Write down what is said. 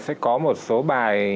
sẽ có một số bài